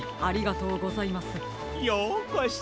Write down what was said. ようこそ。